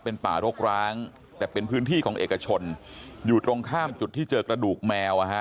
เป็นป่ารกร้างแต่เป็นพื้นที่ของเอกชนอยู่ตรงข้ามจุดที่เจอกระดูกแมว